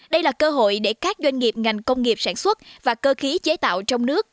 đây là cơ hội để các doanh nghiệp ngành công nghiệp sản xuất và cơ khí chế tạo trong nước